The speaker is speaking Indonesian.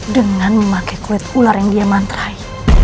dengan memakai kulit ular yang dia mantrai